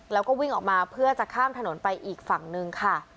แล้วก็วิ่งออกมาเพื่อจะข้ามถนนไปอีกฝั่งนึงค่ะ